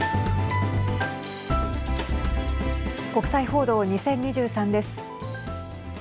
国際報道２０２３です。